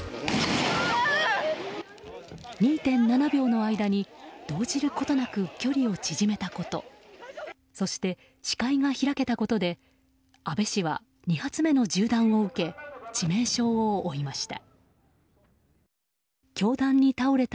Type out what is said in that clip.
２．７秒の間に動じることなく距離を縮めたことそして、視界が開けたことで安倍氏は２発目の銃弾を受け致命傷を負いました。